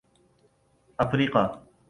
افریقہ